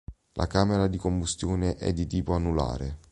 La camera di combustione è di tipo anulare.